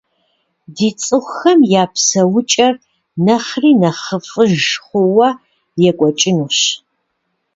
Ди цӏыхухэм я псэукӏэр нэхъри нэхъыфӏыж хъууэ екӏуэкӏынущ.